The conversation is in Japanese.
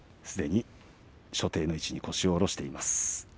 すでに所定の位置に腰を下ろしています。